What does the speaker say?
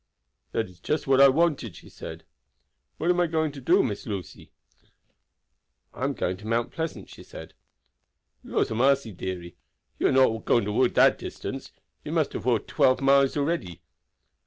"That is just what I wanted," she said. "What am you going to do, Miss Lucy?" "I am going to Mount Pleasant," she said. "Lor' a marcy, dearie, you are not going to walk that distance! You must have walked twelve miles already."